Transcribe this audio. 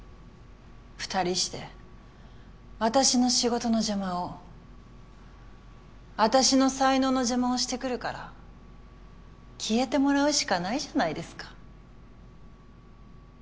２人して私の仕事の邪魔を私の才能の邪魔をしてくるから消えてもらうしかないじゃないですか。